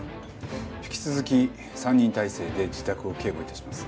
引き続き３人態勢で自宅を警護致します。